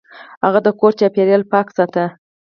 هغه د کور چاپیریال پاک ساته.